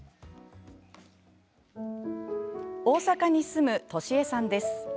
大阪に住む、としえさんです。